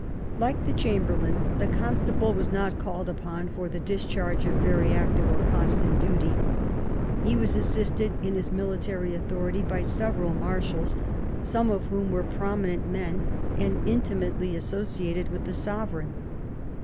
Like the chamber lain, the constable was not called upon for the discharge of very active or constant duty. He was assisted in his military authority by several marshals, some of whom were prominent men and intimately associated with the sovereign.